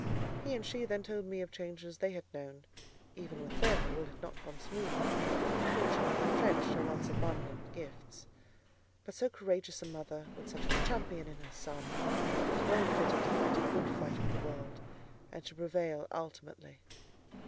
He and she then told me of changes they had known: even with them all had not gone smoothly, and fortune had retrenched her once abundant gifts. But so courageous a mother, with such a champion in her son, was well fitted to fight a good fight with the world, and to prevail ultimately.